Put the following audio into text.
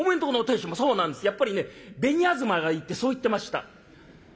やっぱりね紅あずまがいいってそう言ってました」。